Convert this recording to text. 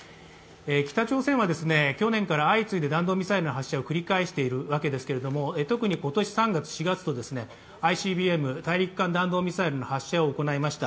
北朝鮮は去年から相次いで弾道ミサイルの発射を繰り返しているわけですけれども特に今年３月、４月とＩＣＢＭ＝大陸間弾道ミサイルの発射を行いました。